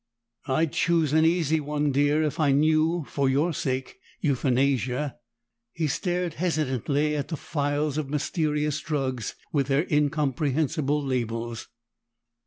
"I'd choose an easy one, Dear, if I knew, for your sake. Euthanasia!" He stared hesitantly at the files of mysterious drugs with their incomprehensible labels.